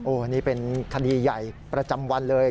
นี่เป็นคดีใหญ่ประจำวันเลย